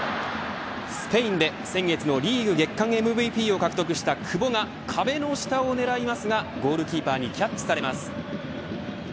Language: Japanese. スペインで先月のリーグ月間ＭＶＰを獲得した久保が壁の下を狙いますがゴールキーパーにキャッチされます。